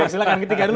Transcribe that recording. silahkan ketiga dulu